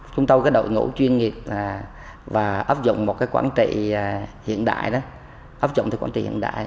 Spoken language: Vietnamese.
chúng tôi là đội ngũ chuyên nghiệp và ấp dụng một quản trị hiện đại